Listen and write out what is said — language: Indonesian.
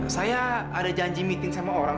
saya ada janji meeting sama orang